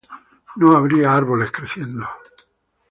No habría árboles creciendo.